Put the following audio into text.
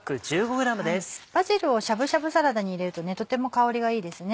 バジルをしゃぶしゃぶサラダに入れるととても香りがいいですね。